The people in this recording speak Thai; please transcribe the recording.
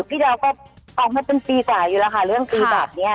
พี่ดาวก็เอามาเป็นปีกว่าอยู่แล้วค่ะเรื่องปีแบบนี้